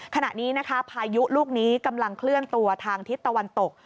ขณะนี้นะคะพายุลูกนี้กำลังเคลื่อนตัวทางทิศตะวันตก